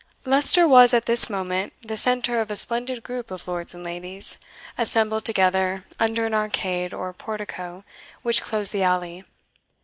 Leicester was at this moment the centre of a splendid group of lords and ladies, assembled together under an arcade, or portico, which closed the alley.